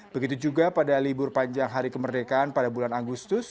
begitu juga pada libur panjang hari kemerdekaan pada bulan agustus